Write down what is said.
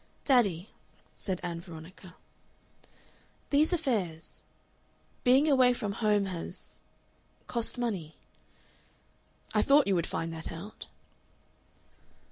"Daddy," said Ann Veronica, "these affairs being away from home has cost money." "I thought you would find that out."